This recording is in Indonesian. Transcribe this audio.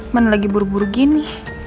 mana lagi buru buru gini